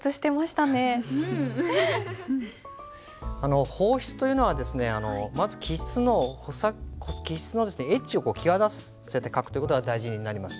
あの方筆というのはまず起筆のエッジを際立たせて書くという事が大事になります。